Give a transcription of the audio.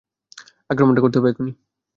আক্রমণটা করতে হবে এক্ষুনি!